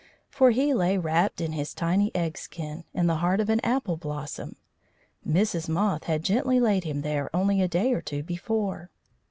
For he lay wrapped in his tiny egg skin in the heart of an apple blossom. Mrs. Moth had gently laid him there only a day or two before.